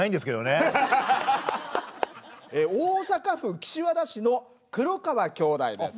大阪府岸和田市の黒川姉弟です。